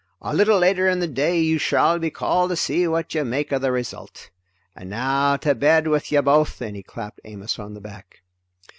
"A little later in the day you shall be called to see what you make of the result. And now, to bed with ye both!" and he clapped Amos on the back.